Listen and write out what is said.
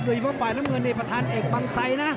เฉพาะฝ่ายน้ำเงินนี่ประธานเอกบังไซนะ